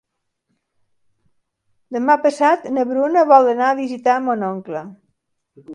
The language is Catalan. Demà passat na Bruna vol anar a visitar mon oncle.